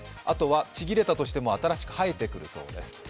あとはちぎれたとしても新しく生えてくるそうです。